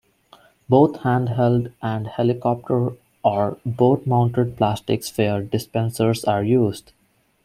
Both handheld and helicopter- or boat-mounted plastic sphere dispensers are used.